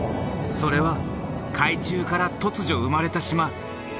それは海中から突如生まれた島。